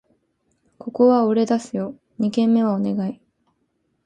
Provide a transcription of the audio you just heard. ここは俺出すよ！二軒目はお願い